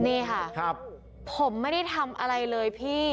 นี่ค่ะผมไม่ได้ทำอะไรเลยพี่